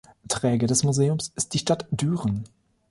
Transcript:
Träger des Museums ist die Stadt Düren.